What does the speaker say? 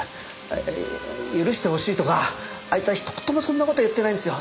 あ許してほしいとかあいつは一言もそんな事言ってないんですよ。